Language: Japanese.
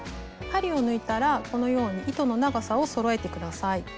針を抜いたらこのように糸の長さをそろえて下さい。